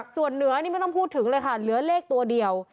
ส่วนเหนือนี่ไม่ต้องพูดถึงเลยค่ะเหลือเลขตัวเดียว